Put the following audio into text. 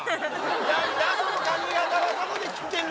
何だその髪形はどこで切ってんだ